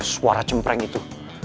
suara cempreng itu